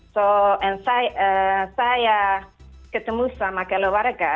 so and saya ketemu sama keluarga